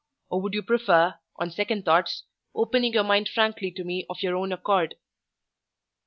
or would you prefer, on second thoughts, opening your mind frankly to me of your own accord?"